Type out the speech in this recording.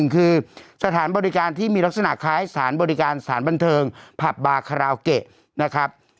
คือสถานบริการที่มีลักษณะคล้ายสารบริการสถานบันเทิงผับบาคาราโอเกะนะครับ